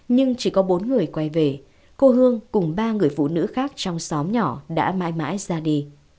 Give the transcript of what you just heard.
sau bốn người quay về cô hương cùng ba người phụ nữ khác trong xóm nhỏ đã mãi mãi ra đi